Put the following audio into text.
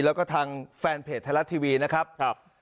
แล้วก็ทางแฟนเพจไทยรัฐทีวีนะครับ